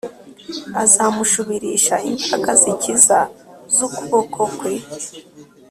Azamushubirisha imbaraga zikiza z’ukuboko kwe